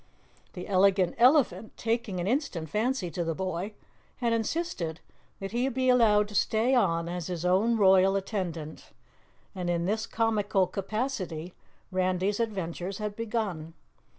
The Elegant Elephant, taking an instant fancy to the boy, had insisted that he be allowed to stay on as his own royal attendant, and in this comical capacity Randy's adventures had begun.